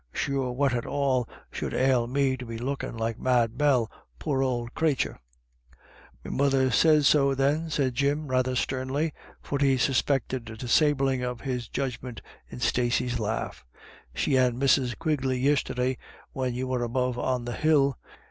" Sure what at all should ail me to be lookin' like Mad Bell, poor ould crathur? w " Me mother sez so, then," said Jim, rather sternly, for he suspected a disabling of his judgment in Stacey's laugh; "she and Mrs, Quigley yisterday, when you were above on the hill.